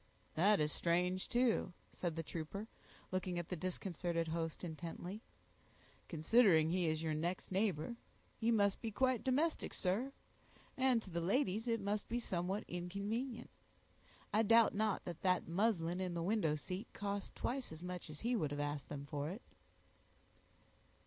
"That is strange, too," said the trooper, looking at the disconcerted host intently, "considering he is your next neighbor; he must be quite domestic, sir; and to the ladies it must be somewhat inconvenient. I doubt not that that muslin in the window seat cost twice as much as he would have asked them for it."